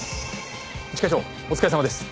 一課長お疲れさまです。